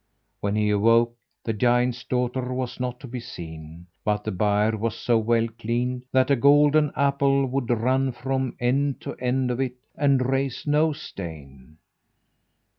When he awoke, the giant's daughter was not to be seen, but the byre was so well cleaned that a golden apple would run from end to end of it and raise no stain.